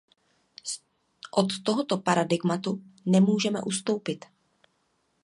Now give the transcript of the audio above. Od tohoto paradigmatu nemůžeme ustoupit.